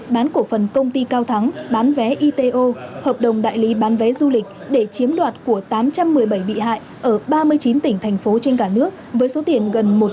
bán cổ phần công ty cao thắng bán vé ito hợp đồng đại lý bán vé du lịch để chiếm đoạt của tám trăm một mươi bảy bị hại ở ba mươi chín tỉnh thành phố trên cả nước với số tiền gần một tỷ đồng